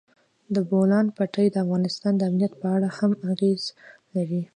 د بولان پټي د افغانستان د امنیت په اړه هم اغېز لري.